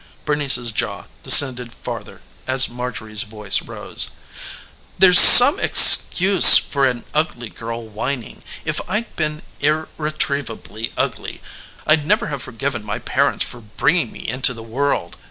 Bernice's jaw descended farther as Marjorie's voice rose. "There's some excuse for an ugly girl whining. If I'd been irretrievably ugly I'd never have forgiven my parents for bringing me into the world.